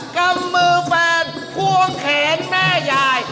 กำมือแฟนควงแขนแม่ยาย